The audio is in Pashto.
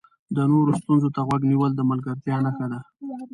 د نورو ستونزو ته غوږ نیول د ملګرتیا نښه ده.